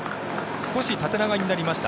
少し縦長になりました。